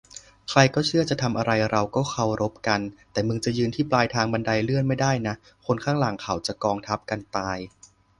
ใครก็เชื่อจะทำอะไรเราก็เคารพกัน แต่มึงจะยืนที่ปลายทางบันไดเลื่อนไม่ได้นะ คนข้างหลังเขาจะกองทับกันตาย